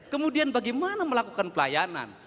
kemudian bagaimana melakukan pelayanan